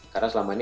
karena selama ini